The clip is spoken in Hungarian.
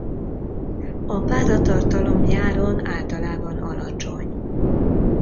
A páratartalom nyáron általában alacsony.